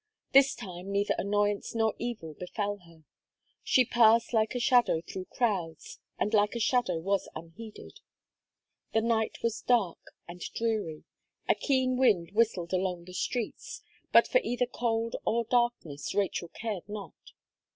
This time neither annoyance nor evil befell her. She passed like a shadow through crowds, and like a shadow was unheeded. The night was dark and dreary; a keen wind whistled along the streets but for either cold or darkness Rachel cared not.